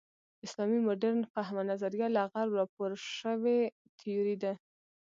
اسلامي مډرن فهم نظریه له غرب راپور شوې تیوري ده.